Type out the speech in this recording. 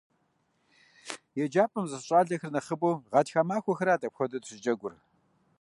ЕджапӀэм щӏэс щӀалэхэр нэхъыбэу гъатхэ махуэхэрат апхуэдэу дыщыджэгур.